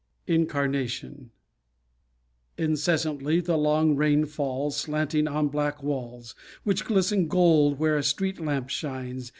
INCARNATION Incessantly the long rain falls, Slanting on black walls, Which glisten gold where a street lamp shines.